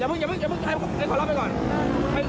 อย่าเพิ่งอย่าเพิ่งอย่าเพิ่งขอรับไปก่อน